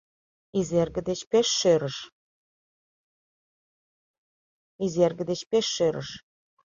Изерге деч пеш шӧрыш: